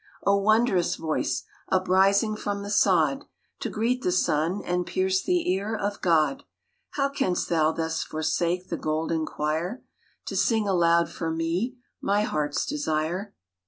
" O wondrous voice, uprising from the sod To greet the sun and pierce the ear of God, How canst thou thus forsake the golden quire To sing aloud for me my heart's desire?"